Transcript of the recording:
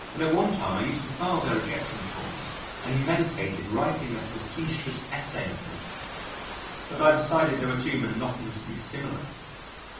At one time I used to file their rejection forms and meditated writing a facetious essay on them. But I decided they were too monotonously similar.